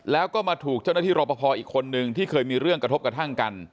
แล้วก็มาถูกเจ้าหน้าที่รอปภอีกคนนึงที่เคยมีเรื่องกระทบกระทั่งกัน